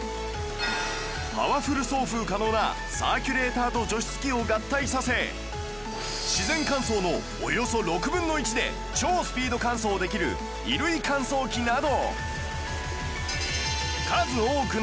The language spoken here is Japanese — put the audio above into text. パワフル送風可能なサーキュレーターと除湿機を合体させ自然乾燥のおよそ６分の１で超スピード乾燥できる衣類乾燥機など